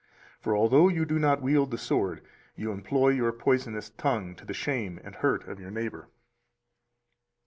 For although you do not wield the sword, you employ your poisonous tongue to the shame and hurt of your neighbor.